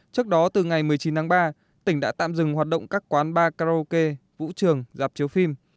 trước đó từ ngày một mươi chín tháng ba tỉnh đã tạm dừng hoạt động các quán bar karaoke vũ trường dạp chiếu phim